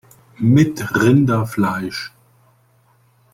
Mit Rinderfleisch!